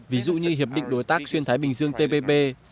ví dụ như hiệp định đối tác xuyên thái bình dương tpp